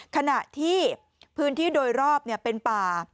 ขณะที่พื้นที่โดยรอบเป็นป่า